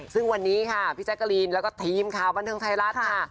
ซึ่งวันนี้ค่ะพี่แจ๊กกะลีนแล้วก็ทีมข่าวบันเทิงไทยรัฐค่ะ